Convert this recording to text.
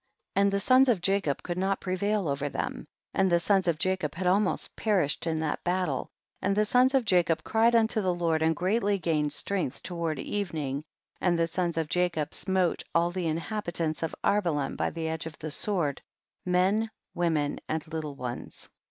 10. And the sons of Jacob could not prevail over them, and the sons of Jacob had almost perished in that battle, and the sons of Jacob cried unto the Lord and greatly gained strength toward evening, and the sons of Jacob smote all the inhabitants of Arbelan by the edge of the sword, men, women and little ones.